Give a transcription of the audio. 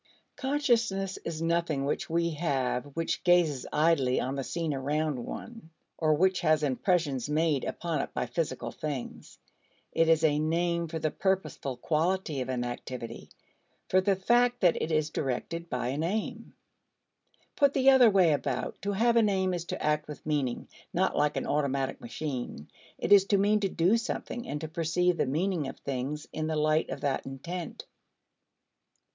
Consciousness is nothing which we have which gazes idly on the scene around one or which has impressions made upon it by physical things; it is a name for the purposeful quality of an activity, for the fact that it is directed by an aim. Put the other way about, to have an aim is to act with meaning, not like an automatic machine; it is to mean to do something and to perceive the meaning of things in the light of that intent.